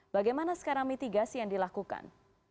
bagaimana sekarang mitigasi yang dilakukan